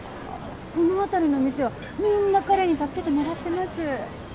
この辺りの店はみんな彼に助けてもらってます。